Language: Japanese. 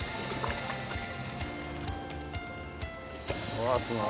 うわすごい。